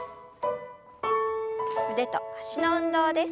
腕と脚の運動です。